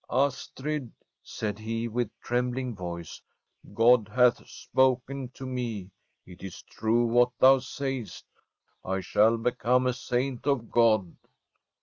* Astrid/ said he, with trembling voice, ' Grod hath spoken to me. It is true what thou sayest. I shall become a Saint of God.'